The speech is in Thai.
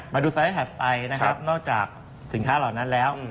มาดูไซส์ให้หน่าไปน่าวจากสินค้าเหล่านั้นแล้ว